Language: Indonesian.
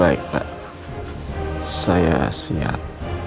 baik pak saya siap